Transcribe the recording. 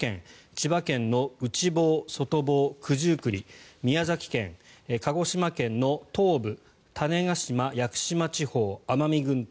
千葉県の内房、外房、九十九里宮崎県、鹿児島県の東部種子島・屋久島地方奄美群島